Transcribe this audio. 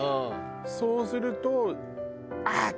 そうするとあっ！